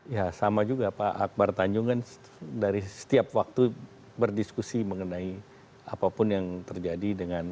ya sama juga pak akbar tanjung kan dari setiap waktu berdiskusi mengenai apapun yang terjadi dengan